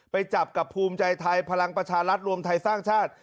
ไปจับกับภูมิใจไทยพลังประชารัฐรวมไทยสร้างชาติ